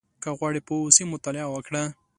• که غواړې پوه اوسې، مطالعه وکړه.